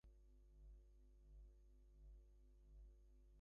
The series won two Emmys and was nominated for seven others.